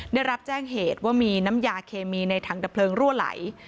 ได้รับแจ้งเหตุว่ามีน้ำยาเคมีในถังดับเพลิงรั่วไหล